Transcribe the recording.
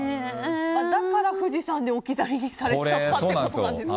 だから富士山で置き去りにされちゃったってことなんですか。